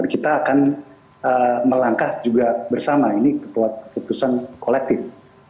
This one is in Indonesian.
kita akan melangkah juga bersama ini keputusan kolektif